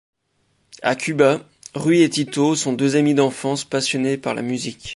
À Cuba, Ruy et Tito sont deux amis d'enfance passionnés par la musique.